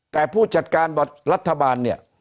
แต่ผู้จัดการรัฐบาลเนี่ย